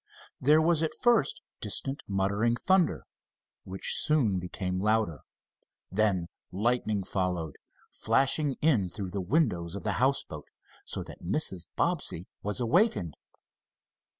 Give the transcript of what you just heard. There was at first distant, muttering thunder, which soon became louder. Then lightning followed, flashing in through the windows of the houseboat, so that Mrs. Bobbsey was awakened.